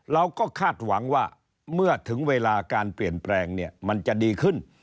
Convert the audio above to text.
เราก็คาดหวังว่าเมื่อถึงเวลาการเปลี่ยนแปลงเนี่ยมันจะดีขึ้น